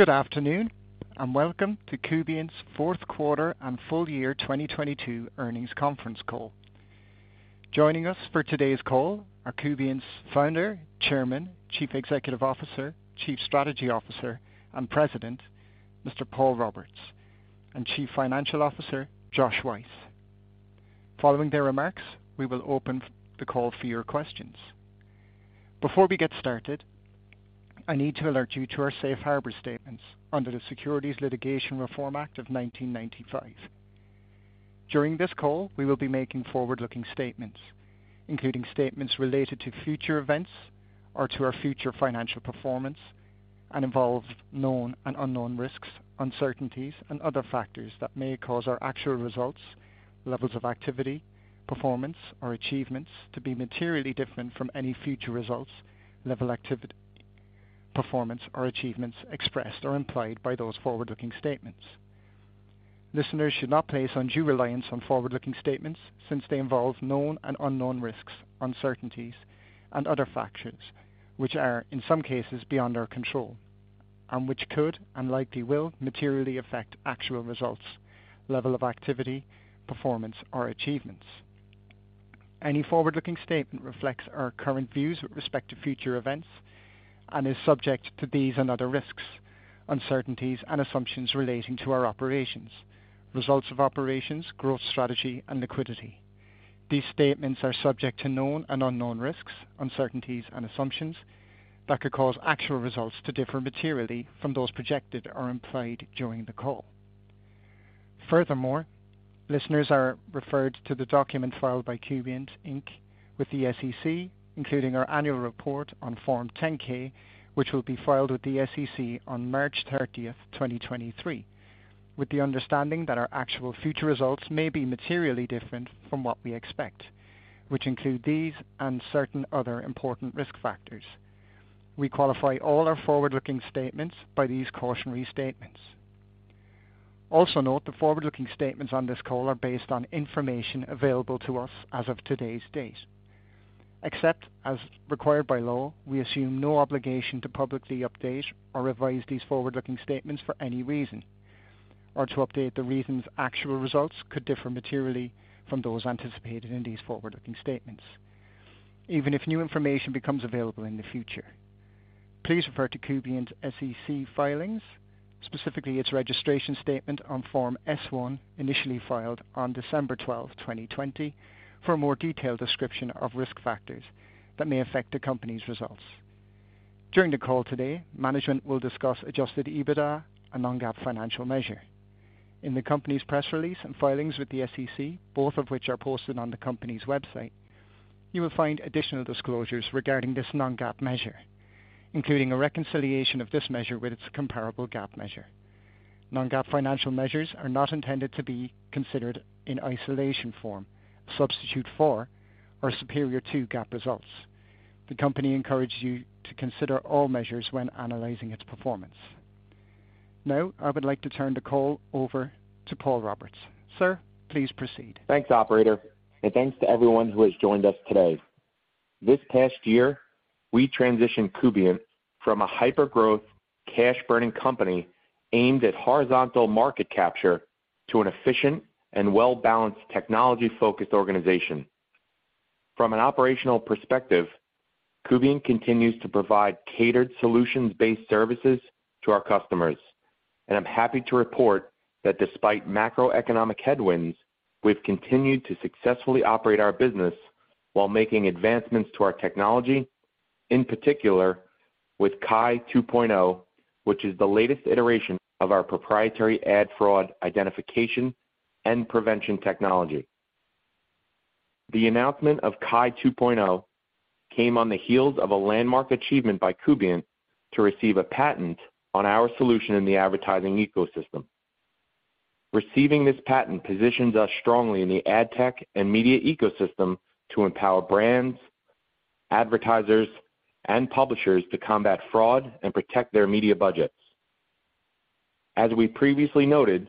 Good afternoon, welcome to Kubient's fourth quarter and full year 2022 earnings conference call. Joining us for today's call are Kubient's Founder, Chairman, Chief Executive Officer, Chief Strategy Officer, and President, Mr. Paul Roberts, and Chief Financial Officer, Josh Weiss. Following their remarks, we will open the call for your questions. Before we get started, I need to alert you to our safe harbor statements under the Private Securities Litigation Reform Act of 1995. During this call, we will be making forward-looking statements, including statements related to future events or to our future financial performance, and involve known and unknown risks, uncertainties and other factors that may cause our actual results, levels of activity, performance or achievements to be materially different from any future results, level activity, performance or achievements expressed or implied by those forward-looking statements. Listeners should not place undue reliance on forward-looking statements since they involve known and unknown risks, uncertainties and other factors, which are, in some cases, beyond our control, and which could and likely will materially affect actual results, level of activity, performance or achievements. Any forward-looking statement reflects our current views with respect to future events and is subject to these and other risks, uncertainties, and assumptions relating to our operations, results of operations, growth strategy and liquidity. These statements are subject to known and unknown risks, uncertainties and assumptions that could cause actual results to differ materially from those projected or implied during the call. Listeners are referred to the documents filed by Kubient Inc. with the SEC, including our annual report on Form 10-K, which will be filed with the SEC on March 30th, 2023, with the understanding that our actual future results may be materially different from what we expect, which include these and certain other important risk factors. We qualify all our forward-looking statements by these cautionary statements. Also note the forward-looking statements on this call are based on information available to us as of today's date. Except as required by law, we assume no obligation to publicly update or revise these forward-looking statements for any reason or to update the reasons actual results could differ materially from those anticipated in these forward-looking statements, even if new information becomes available in the future. Please refer to Kubient's SEC filings, specifically its registration statement on Form S-1, initially filed on December 12, 2020, for a more detailed description of risk factors that may affect the company's results. During the call today, management will discuss adjusted EBITDA and non-GAAP financial measure. In the company's press release and filings with the SEC, both of which are posted on the company's website, you will find additional disclosures regarding this non-GAAP measure, including a reconciliation of this measure with its comparable GAAP measure. Non-GAAP financial measures are not intended to be considered in isolation form, substitute for or superior to GAAP results. The company encourages you to consider all measures when analyzing its performance. I would like to turn the call over to Paul Roberts. Sir, please proceed. Thanks, operator, and thanks to everyone who has joined us today. This past year, we transitioned Kubient from a hyper-growth cash burning company aimed at horizontal market capture to an efficient and well-balanced technology-focused organization. From an operational perspective, Kubient continues to provide catered solutions-based services to our customers. I'm happy to report that despite macroeconomic headwinds, we've continued to successfully operate our business while making advancements to our technology, in particular with KAI 2.0, which is the latest iteration of our proprietary ad fraud identification and prevention technology. The announcement of KAI 2.0 came on the heels of a landmark achievement by Kubient to receive a patent on our solution in the advertising ecosystem. Receiving this patent positions us strongly in the AdTech and media ecosystem to empower brands, advertisers, and publishers to combat fraud and protect their media budgets. As we previously noted,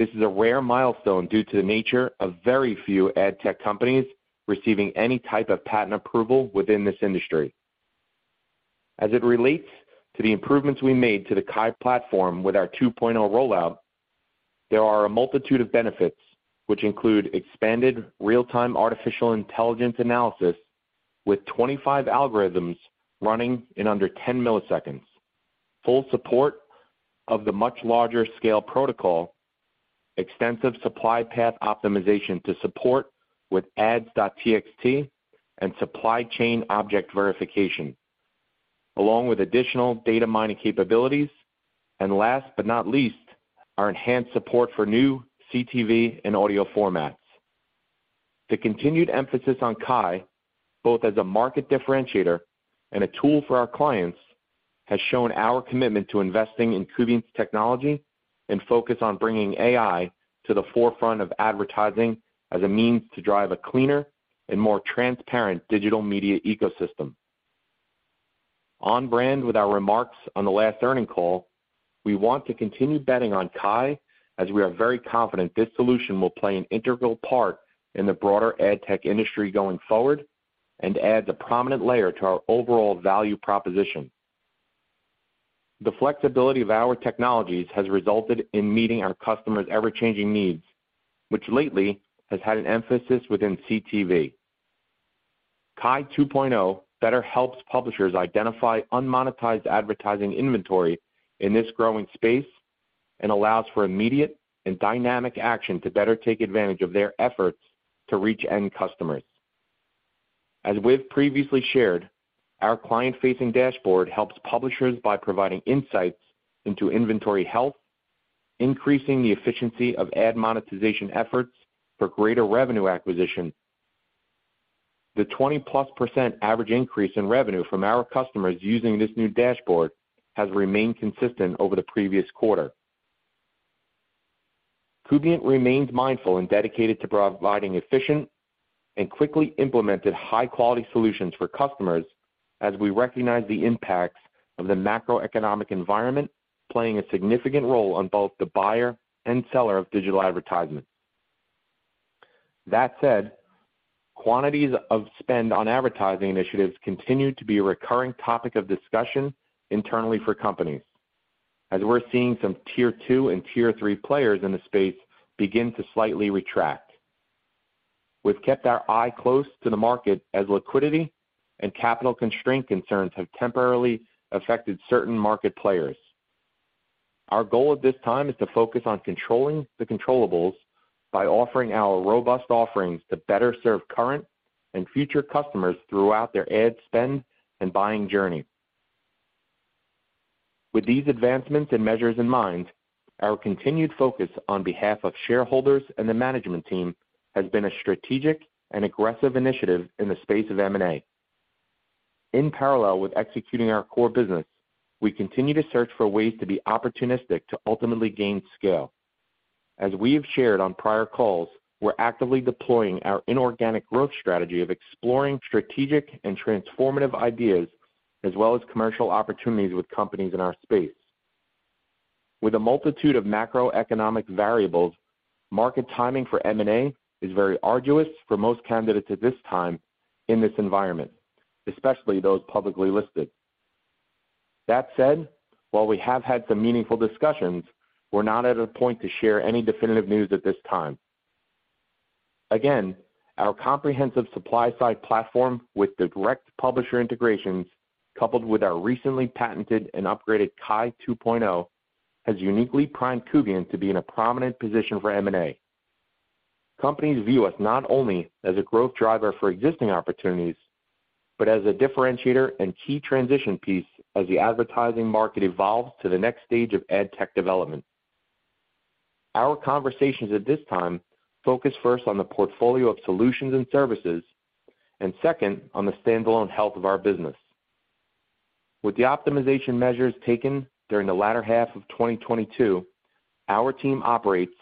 this is a rare milestone due to the nature of very few AdTech companies receiving any type of patent approval within this industry. As it relates to the improvements we made to the KAI platform with our 2.0 rollout, there are a multitude of benefits which include expanded real-time artificial intelligence analysis with 25 algorithms running in under 10 milliseconds, full support of the much larger scale protocol, extensive supply path optimization to support with ads.txt, and SupplyChain Object verification, along with additional data mining capabilities. Last but not least, our enhanced support for new CTV and audio formats. The continued emphasis on KAI, both as a market differentiator and a tool for our clients, has shown our commitment to investing in Kubient's technology and focus on bringing AI to the forefront of advertising as a means to drive a cleaner and more transparent digital media ecosystem. On brand with our remarks on the last earning call, we want to continue betting on KAI as we are very confident this solution will play an integral part in the broader AdTech industry going forward, and adds a prominent layer to our overall value proposition. The flexibility of our technologies has resulted in meeting our customers' ever-changing needs, which lately has had an emphasis within CTV. KAI 2.0 better helps publishers identify unmonetized advertising inventory in this growing space and allows for immediate and dynamic action to better take advantage of their efforts to reach end customers. As we've previously shared, our client-facing dashboard helps publishers by providing insights into inventory health, increasing the efficiency of ad monetization efforts for greater revenue acquisition. The 20% plus average increase in revenue from our customers using this new dashboard has remained consistent over the previous quarter. Kubient remains mindful and dedicated to providing efficient and quickly implemented high-quality solutions for customers as we recognize the impacts of the macroeconomic environment playing a significant role on both the buyer and seller of digital advertisements. Quantities of spend on advertising initiatives continue to be a recurring topic of discussion internally for companies, as we're seeing some Tier 2 and Tier 3 players in the space begin to slightly retract. We've kept our eye close to the market as liquidity and capital constraint concerns have temporarily affected certain market players. Our goal at this time is to focus on controlling the controllables by offering our robust offerings to better serve current and future customers throughout their ad spend and buying journey. With these advancements and measures in mind, our continued focus on behalf of shareholders and the management team has been a strategic and aggressive initiative in the space of M&A. In parallel with executing our core business, we continue to search for ways to be opportunistic to ultimately gain scale. As we have shared on prior calls, we're actively deploying our inorganic growth strategy of exploring strategic and transformative ideas, as well as commercial opportunities with companies in our space. With a multitude of macroeconomic variables, market timing for M&A is very arduous for most candidates at this time in this environment, especially those publicly listed. That said, while we have had some meaningful discussions, we're not at a point to share any definitive news at this time. Again, our comprehensive supply-side platform with the direct publisher integrations, coupled with our recently patented and upgraded KAI 2.0, has uniquely primed Kubient to be in a prominent position for M&A. Companies view us not only as a growth driver for existing opportunities, but as a differentiator and key transition piece as the advertising market evolves to the next stage of AdTech development. Our conversations at this time focus first on the portfolio of solutions and services, and second on the standalone health of our business. With the optimization measures taken during the latter half of 2022, our team operates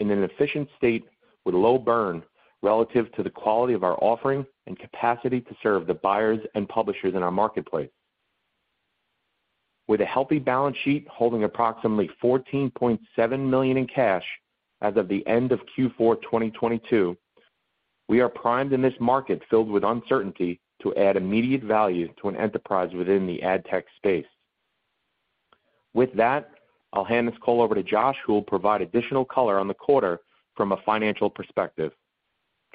in an efficient state with low burn relative to the quality of our offering and capacity to serve the buyers and publishers in our marketplace. With a healthy balance sheet holding approximately $14.7 million in cash as of the end of Q4 2022, we are primed in this market filled with uncertainty to add immediate value to an enterprise within the AdTech space. With that, I'll hand this call over to Josh, who will provide additional color on the quarter from a financial perspective.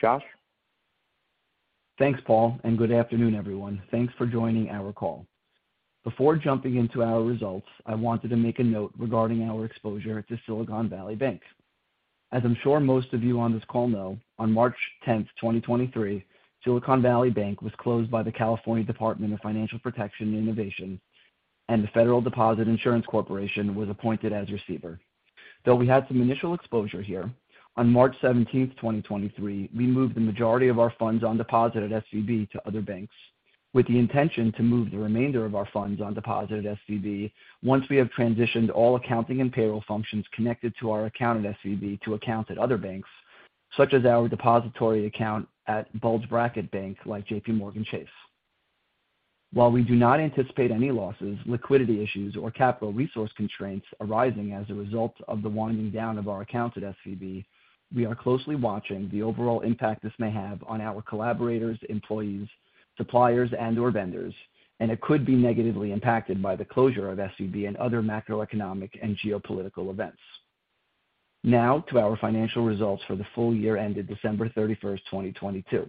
Josh? Thanks, Paul, good afternoon, everyone. Thanks for joining our call. Before jumping into our results, I wanted to make a note regarding our exposure to Silicon Valley Bank. As I'm sure most of you on this call know, on March 10th, 2023, Silicon Valley Bank was closed by the California Department of Financial Protection and Innovation, and the Federal Deposit Insurance Corporation was appointed as receiver. Though we had some initial exposure here, on March 17, 2023, we moved the majority of our funds on deposit at SVB to other banks, with the intention to move the remainder of our funds on deposit at SVB once we have transitioned all accounting and payroll functions connected to our account at SVB to accounts at other banks, such as our depository account at bulge bracket bank like JPMorgan Chase. While we do not anticipate any losses, liquidity issues, or capital resource constraints arising as a result of the winding down of our accounts at SVB, we are closely watching the overall impact this may have on our collaborators, employees, suppliers, and/or vendors, and it could be negatively impacted by the closure of SVB and other macroeconomic and geopolitical events. To our financial results for the full year ended December 31st, 2022.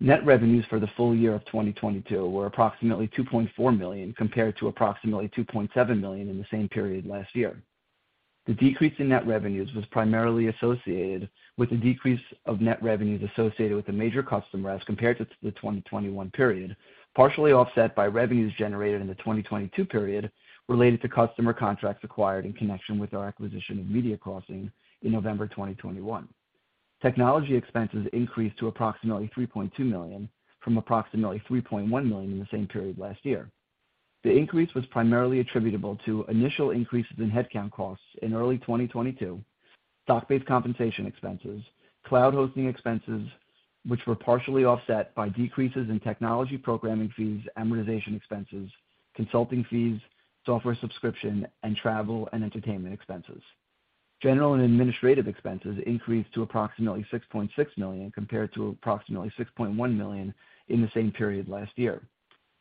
Net revenues for the full year of 2022 were approximately $2.4 million, compared to approximately $2.7 million in the same period last year. The decrease in net revenues was primarily associated with a decrease of net revenues associated with the major customer as compared to the 2021 period, partially offset by revenues generated in the 2022 period related to customer contracts acquired in connection with our acquisition of MediaCrossing in November 2021. Technology expenses increased to approximately $3.2 million, from approximately $3.1 million in the same period last year. The increase was primarily attributable to initial increases in headcount costs in early 2022, stock-based compensation expenses, cloud hosting expenses, which were partially offset by decreases in technology programming fees, amortization expenses, consulting fees, software subscription, and travel and entertainment expenses. General and administrative expenses increased to approximately $6.6 million compared to approximately $6.1 million in the same period last year.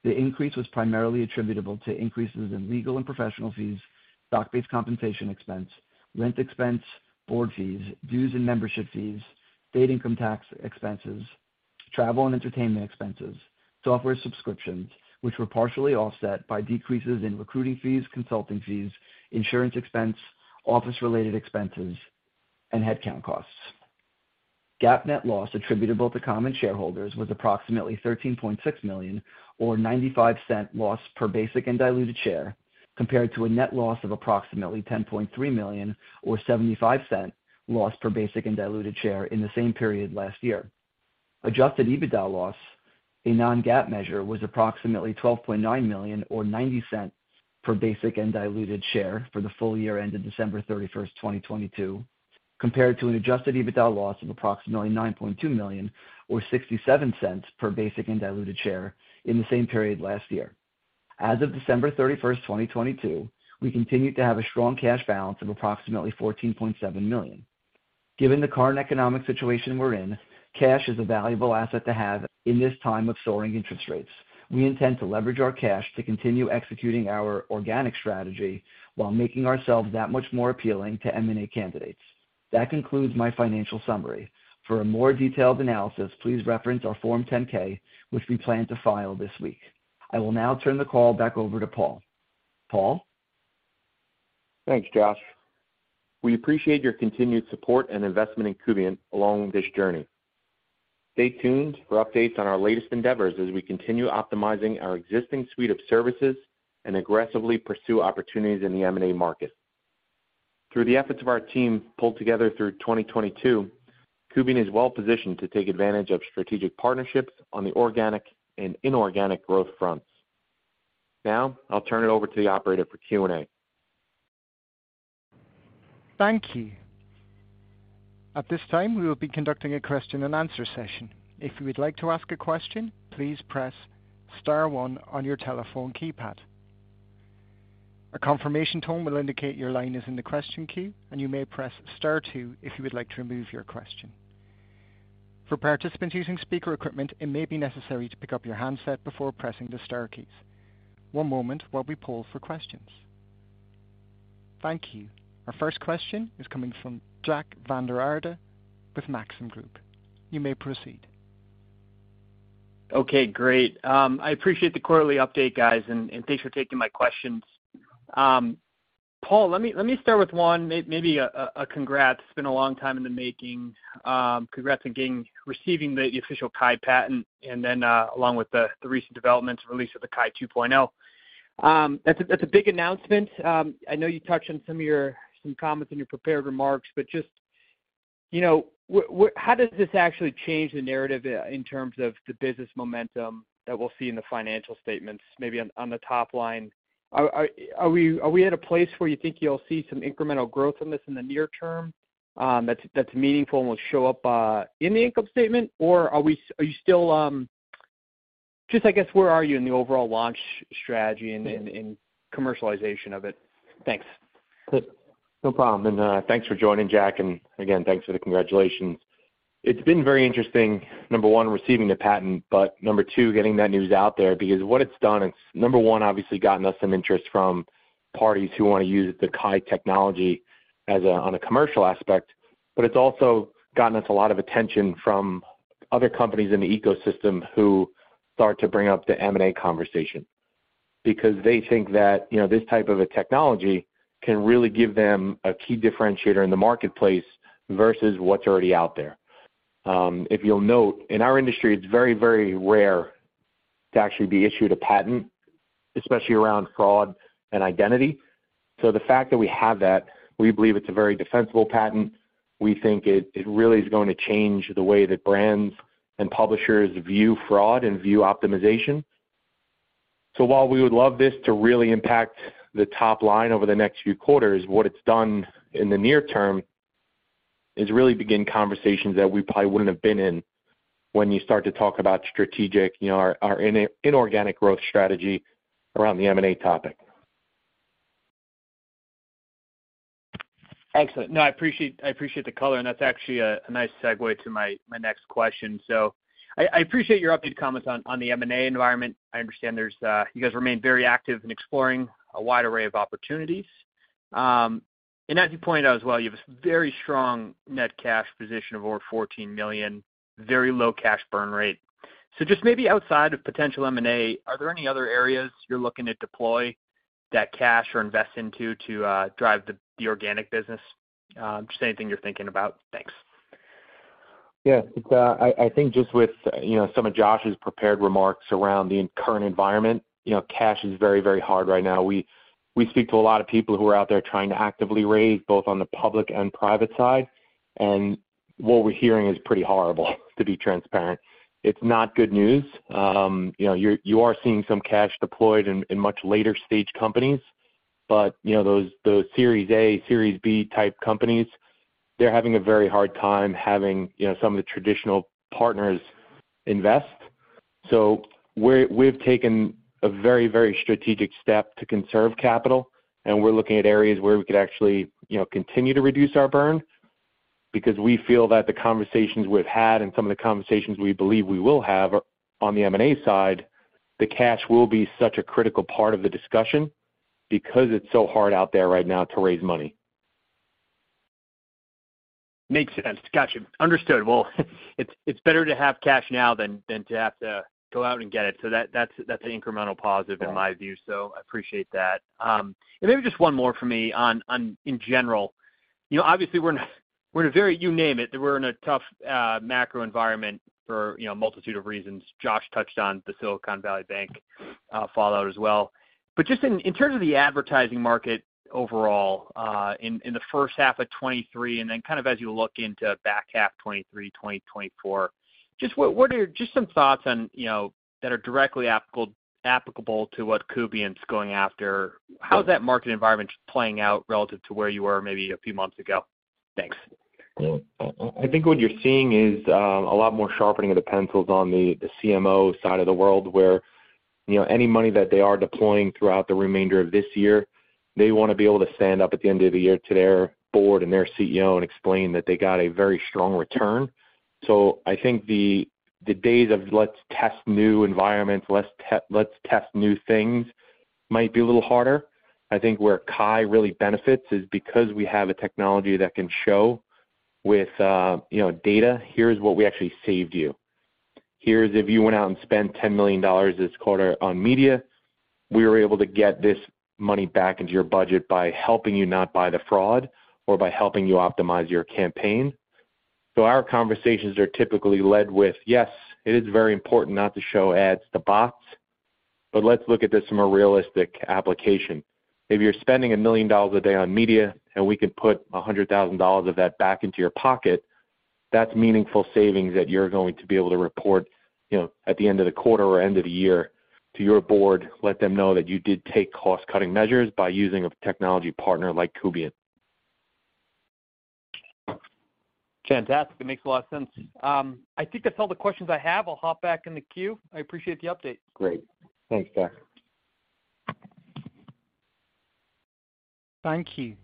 The increase was primarily attributable to increases in legal and professional fees, stock-based compensation expense, rent expense, board fees, dues and membership fees, state income tax expenses, travel and entertainment expenses, software subscriptions, which were partially offset by decreases in recruiting fees, consulting fees, insurance expense, office-related expenses, and headcount costs. GAAP net loss attributable to common shareholders was approximately $13.6 million or $0.95 loss per basic and diluted share, compared to a net loss of approximately $10.3 million or $0.75 loss per basic and diluted share in the same period last year. Adjusted EBITDA loss, a non-GAAP measure, was approximately $12.9 million or $0.90 per basic and diluted share for the full year ended December 31, 2022, compared to an Adjusted EBITDA loss of approximately $9.2 million or $0.67 per basic and diluted share in the same period last year. As of December 31, 2022, we continued to have a strong cash balance of approximately $14.7 million. Given the current economic situation we're in, cash is a valuable asset to have in this time of soaring interest rates. We intend to leverage our cash to continue executing our organic strategy while making ourselves that much more appealing to M&A candidates. That concludes my financial summary. For a more detailed analysis, please reference our Form 10-K, which we plan to file this week. I will now turn the call back over to Paul. Paul? Thanks, Josh. We appreciate your continued support and investment in Kubient along this journey. Stay tuned for updates on our latest endeavors as we continue optimizing our existing suite of services and aggressively pursue opportunities in the M&A market. Through the efforts of our team pulled together through 2022, Kubient is well positioned to take advantage of strategic partnerships on the organic and inorganic growth fronts. Now, I'll turn it over to the operator for Q&A. Thank you. At this time, we will be conducting a question-and-answer session. If you would like to ask a question, please press star one on your telephone keypad. A confirmation tone will indicate your line is in the question queue, and you may press star two if you would like to remove your question. For participants using speaker equipment, it may be necessary to pick up your handset before pressing the star keys. One moment while we poll for questions. Thank you. Our first question is coming from Jack Vander Aarde with Maxim Group. You may proceed. Okay, great. I appreciate the quarterly update, guys, and thanks for taking my questions. Paul, let me start with one, maybe a congrats. It's been a long time in the making. Congrats on receiving the official KAI patent and then, along with the recent developments release of the KAI 2.0. That's a big announcement. I know you touched on some of your comments in your prepared remarks, but just, you know, what... How does this actually change the narrative in terms of the business momentum that we'll see in the financial statements maybe on the top line? Are we at a place where you think you'll see some incremental growth from this in the near term, that's meaningful and will show up in the income statement? Or are you still... Just, I guess, where are you in the overall launch strategy and commercialization of it? Thanks. No problem. Thanks for joining, Jack, and again, thanks for the congratulations. It's been very interesting, number one, receiving the patent, but number two, getting that news out there. What it's done, it's number one, obviously gotten us some interest from parties who wanna use the KAI technology on a commercial aspect, but it's also gotten us a lot of attention from other companies in the ecosystem who start to bring up the M&A conversation. They think that, you know, this type of a technology can really give them a key differentiator in the marketplace versus what's already out there. If you'll note, in our industry, it's very, very rare to actually be issued a patent, especially around fraud and identity. The fact that we have that, we believe it's a very defensible patent. We think it really is going to change the way that brands and publishers view fraud and view optimization. While we would love this to really impact the top line over the next few quarters, what it's done in the near term is really begin conversations that we probably wouldn't have been in when you start to talk about strategic, you know, our inorganic growth strategy around the M&A topic. Excellent. No, I appreciate the color, and that's actually a nice segue to my next question. I appreciate your updated comments on the M&A environment. I understand there's you guys remain very active in exploring a wide array of opportunities. As you pointed out as well, you have a very strong net cash position of over $14 million, very low cash burn rate. Just maybe outside of potential M&A, are there any other areas you're looking to deploy that cash or invest into to drive the organic business? Just anything you're thinking about. Thanks. Yes. It's, I think just with, you know, some of Josh's prepared remarks around the current environment, you know, cash is very, very hard right now. We speak to a lot of people who are out there trying to actively raise, both on the public and private side, and what we're hearing is pretty horrible, to be transparent. It's not good news. You know, you are seeing some cash deployed in much later stage companies. You know, those Series A, Series B type companies, they're having a very hard time having, you know, some of the traditional partners invest. We've taken a very, very strategic step to conserve capital. We're looking at areas where we could actually, you know, continue to reduce our burn because we feel that the conversations we've had and some of the conversations we believe we will have on the M&A side, the cash will be such a critical part of the discussion because it's so hard out there right now to raise money. Makes sense. Gotcha. Understood. Well, it's better to have cash now than to have to go out and get it. That's an incremental positive in my view. I appreciate that. Maybe just one more for me on in general. You know, obviously, we're in a very... You name it. We're in a tough macro environment for, you know, a multitude of reasons. Josh touched on the Silicon Valley Bank fallout as well. Just in terms of the advertising market overall, in the first half of 2023, and then kind of as you look into back half 2023, 2024, just what are just some thoughts on, you know, that are directly applicable to what Kubient's going after? How's that market environment playing out relative to where you were maybe a few months ago? Thanks. I think what you're seeing is a lot more sharpening of the pencils on the CMO side of the world where, you know, any money that they are deploying throughout the remainder of this year, they wanna be able to stand up at the end of the year to their Board and their CEO and explain that they got a very strong return. I think the days of let's test new environments, let's test new things might be a little harder. I think where KAI really benefits is because we have a technology that can show with, you know, data, here's what we actually saved you. Here's if you went out and spent $10 million this quarter on media, we were able to get this money back into your budget by helping you not buy the fraud or by helping you optimize your campaign. Our conversations are typically led with, yes, it is very important not to show at the box, but let's look at this from a realistic application. If you're spending $1 million a day on media and we can put $100,000 of that back into your pocket, that's meaningful savings that you're going to be able to report, you know, at the end of the quarter or end of the year to your Board, let them know that you did take cost-cutting measures by using a technology partner like Kubient. Fantastic. It makes a lot of sense. I think that's all the questions I have. I'll hop back in the queue. I appreciate the update. Great. Thanks, Jack. Thank you.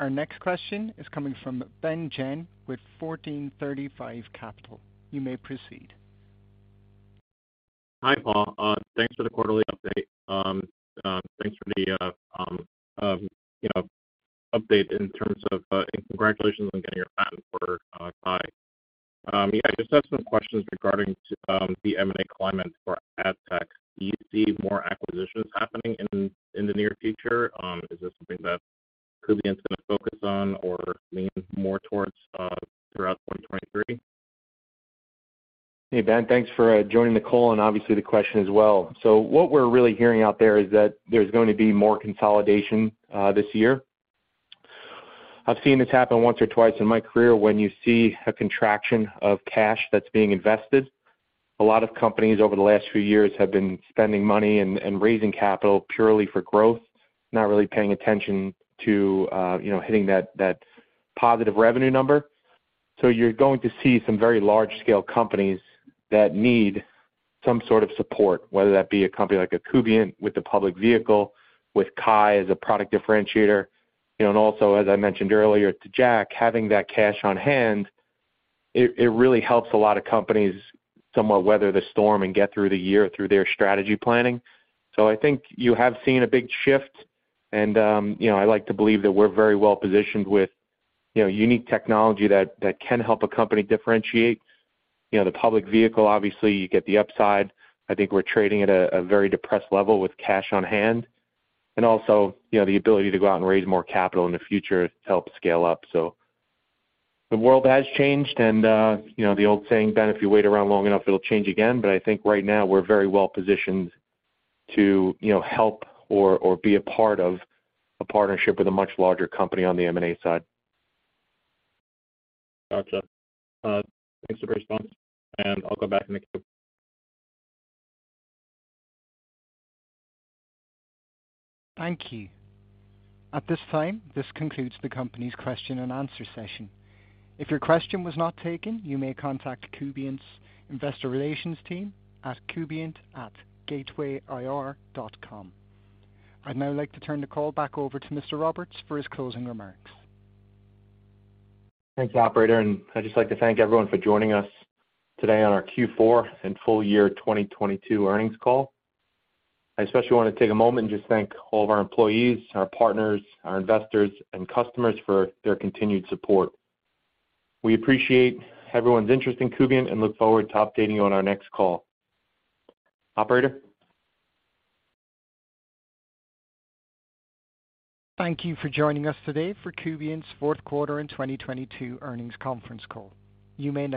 Our next question is coming from Ben Jen with 1435 Capital. You may proceed. Hi, Paul. thanks for the quarterly update. thanks for the, you know, update in terms of... Congratulations on getting your patent for KAI. I just have some questions regarding to the M&A climate for AdTech. Do you see more acquisitions happening in the near future? Is this something that Kubient's gonna focus on or lean more towards throughout 2023? Hey, Ben, thanks for joining the call and obviously the question as well. What we're really hearing out there is that there's gonna be more consolidation, this year. I've seen this happen once or twice in my career when you see a contraction of cash that's being invested. A lot of companies over the last few years have been spending money and raising capital purely for growth, not really paying attention to, you know, hitting that positive revenue number. You're going to see some very large-scale companies that need some sort of support, whether that be a company like a Kubient with a public vehicle, with KAI as a product differentiator, you know, and also, as I mentioned earlier to Jack, having that cash on hand, it really helps a lot of companies somewhat weather the storm and get through the year through their strategy planning. I think you have seen a big shift and, you know, I like to believe that we're very well-positioned with, you know, unique technology that can help a company differentiate. You know, the public vehicle, obviously, you get the upside. I think we're trading at a very depressed level with cash on-hand. Also, you know, the ability to go out and raise more capital in the future to help scale up. The world has changed and, you know, the old saying, Ben, if you wait around long enough, it'll change again. I think right now we're very well-positioned to, you know, help or be a part of a partnership with a much larger company on the M&A side. Gotcha. Thanks for the response, and I'll go back in the queue. Thank you. At this time, this concludes the company's question and answer session. If your question was not taken, you may contact Kubient's Investor Relations team at kubient@gatewayir.com. I'd now like to turn the call back over to Mr. Roberts for his closing remarks. Thanks, operator, I'd just like to thank everyone for joining us today on our Q4 and full year 2022 earnings call. I especially wanna take a moment and just thank all of our employees, our partners, our investors, and customers for their continued support. We appreciate everyone's interest in Kubient and look forward to updating you on our next call. Operator? Thank you for joining us today for Kubient's fourth quarter in 2022 earnings conference call. You may now disconnect.